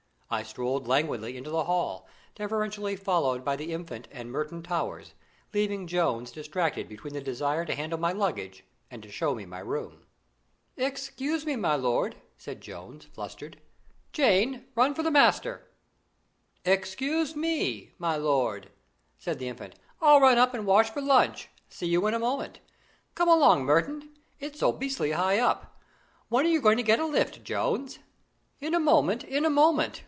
I strolled languidly into the hall, deferentially followed by the Infant and Merton Towers, leaving Jones distracted between the desire to handle my luggage and to show me my room. "Hexcuse me, my lord," said Jones, fluttered. "Jane, run for the master." "Excuse me, my lord," said the Infant; "I'll run up and wash for lunch. See you in a moment. Come along, Merton. It's so beastly high up. When are you going to get a lift, Jones?" "In a moment, sir; in a moment!"